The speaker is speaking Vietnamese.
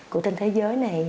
của tên thế giới này